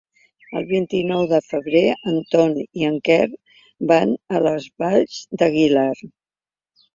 El vint-i-nou de febrer en Ton i en Quer van a les Valls d'Aguilar.